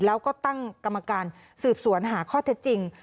แล้วก็ตั้งกรรมการสืบสวนหาข้อเท็จจริง